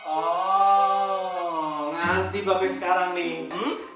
oh ngerti mpok sekarang nih